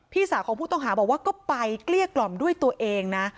พี่สาวของผู้ต้องหาบอกว่าก็ไปเกลี้ยกล่อมด้วยตัวเองนะ